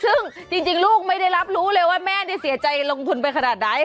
ซึ่งจริงลูกไม่ได้รับรู้เลยว่าแม่ได้เสียใจลงทุนไปขนาดไหน